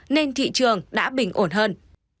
nên thị trường đã bình ổn hơn